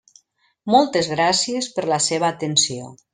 Moltes gràcies per la seva atenció.